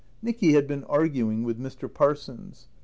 Nicky had been arguing with Mr. Parsons.